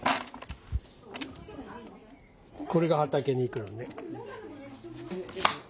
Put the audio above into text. これが畑に行くのね。